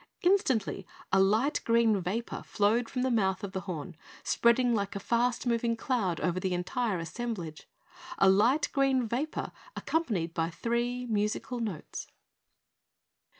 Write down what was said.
Instantly a light green vapor flowed from the mouth of the horn, spreading like a fast moving cloud over the entire assemblage a light green vapor accompanied by three musical notes.